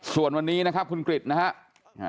ส่วนวันนี้นะครับคุณกริจนะครับ